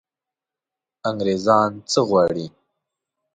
انګرېزان څه غواړي.